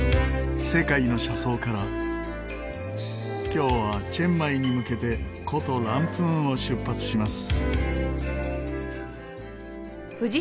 今日はチェンマイに向けて古都ランプーンを出発します。